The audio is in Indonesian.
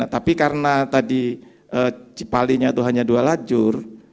tapi karena tadi cipalinya itu hanya dua lajur